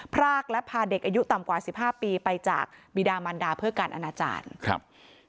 พรากและพาเด็กอายุต่ำกว่าสิบห้าปีไปจากบีดามันดาเพื่อการอนาจารย์ครับ